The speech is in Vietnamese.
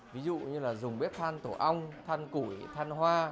ví dụ như là dùng bếp than tổ ong than củi than hoa